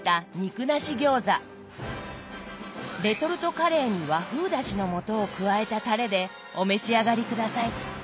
レトルトカレーに和風だしの素を加えたたれでお召し上がり下さい。